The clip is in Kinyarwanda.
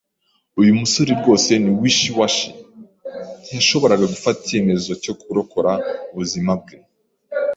Uyu musore rwose ni wishy-washy. Ntiyashoboraga gufata icyemezo cyo kurokora ubuzima bwe.